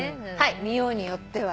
見ようによっては。